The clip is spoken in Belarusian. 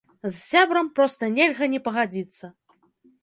З сябрам проста нельга не пагадзіцца.